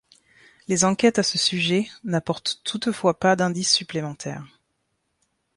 Les enquêtes à ce sujet n'apportent toutefois pas d'indices supplémentaires.